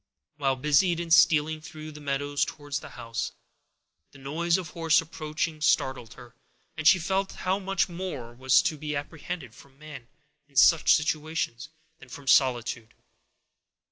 While busied in stealing through the meadows towards the house, the noise of horse approaching startled her, and she felt how much more was to be apprehended from man, in some situations, than from solitude.